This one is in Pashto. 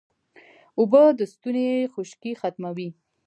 اوبه د ستوني خشکي ختموي